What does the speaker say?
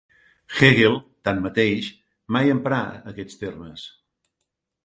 Hegel, tanmateix, mai emprà aquests termes.